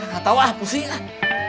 gak tau ah pusingan